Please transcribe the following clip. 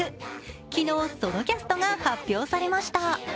昨日、そのキャストが発表されました。